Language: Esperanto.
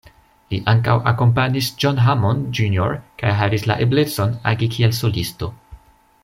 Li ankaŭ akompanis John Hammond Jr kaj havis la eblecon, agi kiel solisto.